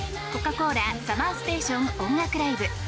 ・コーラＳＵＭＭＥＲＳＴＡＴＩＯＮ音楽ＬＩＶＥ。